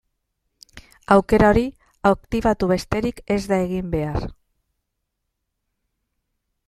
Aukera hori aktibatu besterik ez da egin behar.